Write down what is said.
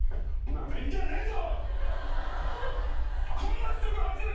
なめんじゃねえぞ！